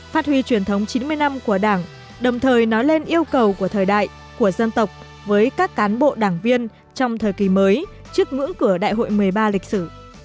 phát huy truyền thống chín mươi năm của đảng đồng thời nói lên yêu cầu của thời đại của dân tộc với các cán bộ đảng viên trong thời kỳ mới trước ngưỡng cửa đại hội một mươi ba lịch sử